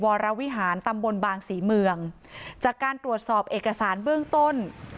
วรวิหารตำบลบางศรีเมืองจากการตรวจสอบเอกสารเบื้องต้น